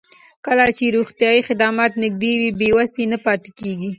کله چې روغتیايي خدمات نږدې وي، بې وسۍ نه پاتې کېږي.